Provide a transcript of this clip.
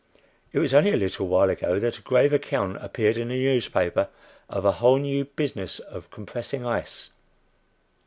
It was only a little while ago that a grave account appeared in a newspaper of a whole new business of compressing ice.